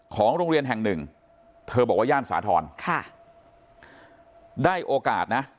ของโรงเรียนแห่งหนึ่งเธอบอกว่าย่านสาธรณ์ค่ะได้โอกาสนะ